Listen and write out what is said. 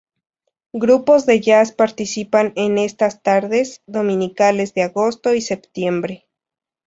Grupos de jazz participan en estas tardes dominicales de agosto y septiembre.